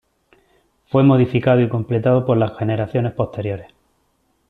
Fue modificado y completado por las generaciones posteriores.